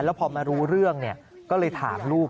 แล้วพอมารู้เรื่องก็เลยถามลูก